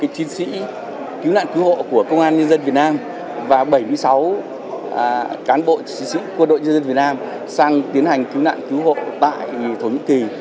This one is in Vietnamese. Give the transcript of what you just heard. hai mươi chiến sĩ cứu nạn cứu hộ của công an nhân dân việt nam và bảy mươi sáu cán bộ chiến sĩ quân đội nhân dân việt nam sang tiến hành cứu nạn cứu hộ tại thổ nhĩ kỳ